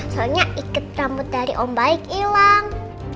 soalnya ikut rambut dari om baik hilang